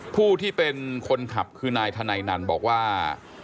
ผู้ที่เป็นคนขับคือนายธนัยนันบอกว่า